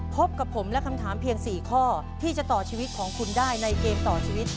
พบกับผมและคำถามเพียง๔ข้อที่จะต่อชีวิตของคุณได้ในเกมต่อชีวิต